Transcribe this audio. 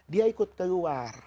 dia ikut keluar